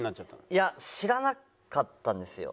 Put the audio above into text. いや知らなかったんですよ